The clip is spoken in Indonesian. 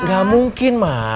gak mungkin mah